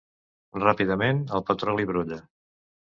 Ràpidament, el petroli brolla.